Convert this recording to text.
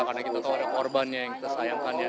karena kita tahu ada korbannya yang kita sayangkan ya